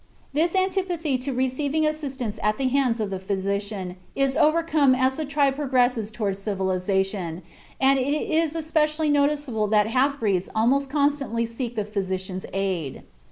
This antipathy to receiving assistance at the hands of the physician is overcome as the tribes progress toward civilization, and it is especially noticeable that half breeds almost constantly seek the physician's aid."